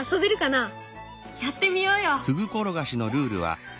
やってみようよ！